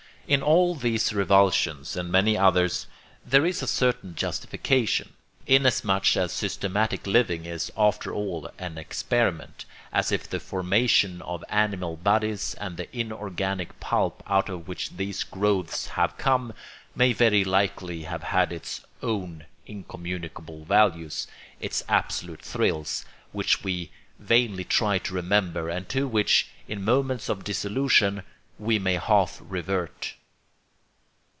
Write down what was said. In all these revulsions, and many others, there is a certain justification, inasmuch as systematic living is after all an experiment, as is the formation of animal bodies, and the inorganic pulp out of which these growths have come may very likely have had its own incommunicable values, its absolute thrills, which we vainly try to remember and to which, in moments of dissolution, we may half revert.